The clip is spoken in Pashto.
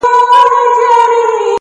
ما هم ورته د پاکي مينې ست خاورې ايرې کړ’